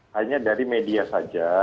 hanya dari media saja